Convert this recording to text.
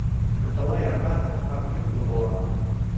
Ҡыҫала ярға сыҡһа, көн боҙола.